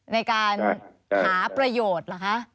ในการหาประโยชน์เหรอคะ